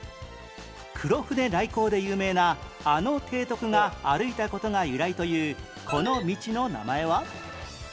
黒船来航で有名なあの提督が歩いた事が由来というこの道の名前は？